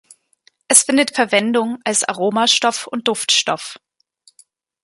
Es findet Verwendung als Aromastoff und Duftstoff.